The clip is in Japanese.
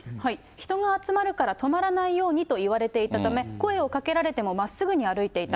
人が集まるから止まらないようにと言われていたため、声をかけられてもまっすぐに歩いていた。